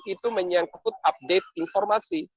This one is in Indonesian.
itu menyangkut update informasi